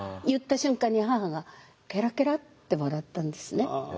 言った瞬間に母がケラケラって笑ったんですね。